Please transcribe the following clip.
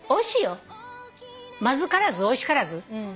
まずからずおいしからず。